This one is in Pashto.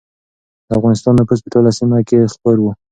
د افغانستان نفوذ په ټوله سیمه کې خپور و.